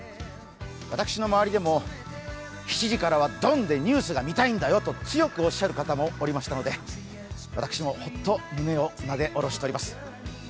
私の周りでも７時からドンでニュースが見たいんだよと強くおっしゃる方もおりましたので私もホッと胸をなでおろしております。